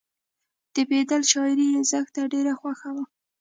د بیدل شاعري یې زښته ډېره خوښه وه